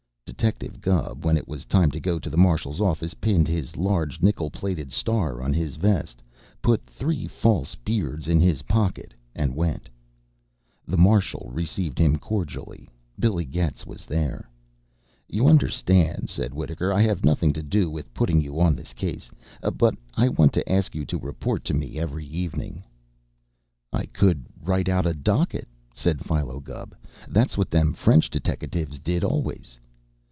Detective Gubb, when it was time to go to the Marshal's office, pinned his large nickel plated star on his vest, put three false beards in his pocket, and went. The Marshal received him cordially. Billy Getz was there. "You understand," said Wittaker, "I have nothing to do with putting you on this case. But I want to ask you to report to me every evening." "I could write out a docket," said Philo Gubb. "That's what them French deteckatives did always."